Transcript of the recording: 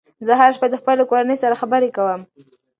زه هره شپه د خپلې کورنۍ سره خبرې کوم.